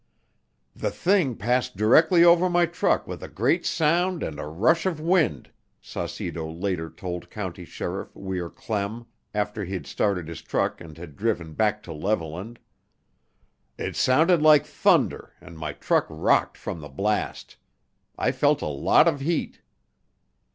"The 'Thing' passed directly over my truck with a great sound and rush of wind," Saucedo later told County Sheriff Weir Clem, after he'd started his truck and had driven back to Levelland. "It sounded like thunder and my truck rocked from the blast. I felt a lot of heat."